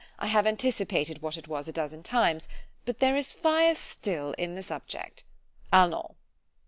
I have anticipated what it was a dozen times; but there is fire still in the subject——allons.